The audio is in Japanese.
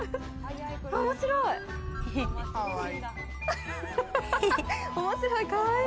面白い。